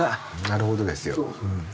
なるほどですようん。